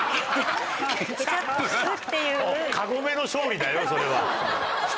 カゴメの勝利だよ、それは。